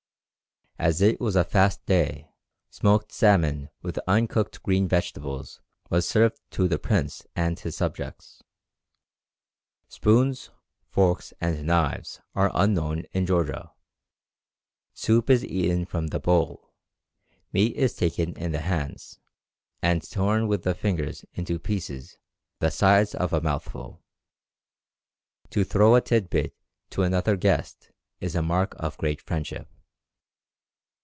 As it was a fast day, smoked salmon with uncooked green vegetables was served to the prince and his subjects. Spoons, forks, and knives are unknown in Georgia; soup is eaten from the bowl, meat is taken in the hands, and torn with the fingers into pieces the size of a mouthful. To throw a tid bit to another guest is a mark of great friendship.